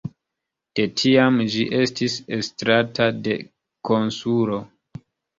De tiam ĝi estis estrata de konsulo.